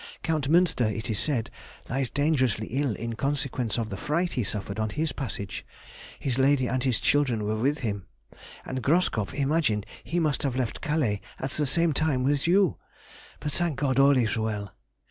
Count Münster, it is said, lies dangerously ill in consequence of the fright he suffered on his passage (his lady and his children were with him), and Groskopf imagined he must have left Calais at the same time with you. But, thank God, all is well!